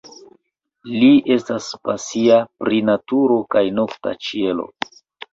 Li estas pasia pri naturo kaj nokta ĉielo.